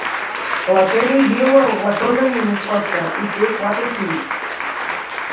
La Penny viu Owatonna, Minnesota; i té quatre fills.